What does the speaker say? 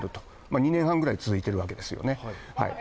２年半ぐらい続いているんですよね